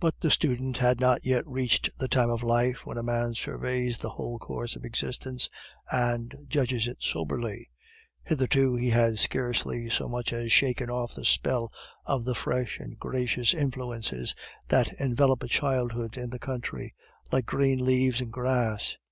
But the student had not yet reached the time of life when a man surveys the whole course of existence and judges it soberly. Hitherto he had scarcely so much as shaken off the spell of the fresh and gracious influences that envelop a childhood in the country, like green leaves and grass.